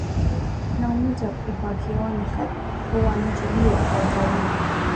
na Umoja wa Afrika wakionya kuwa nchi hiyo iko hatarini